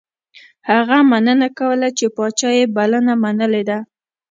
هغه مننه کوله چې پاچا یې بلنه منلې ده.